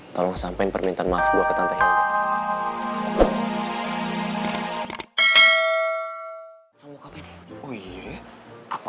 tolong sampein permintaan maaf gue ke tante hilda